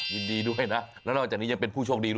ยินดีด้วยนะแล้วนอกจากนี้ยังเป็นผู้โชคดีด้วย